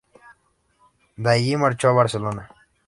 De allí marchó a Barcelona.